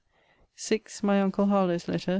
6. My uncle Harlowe's letter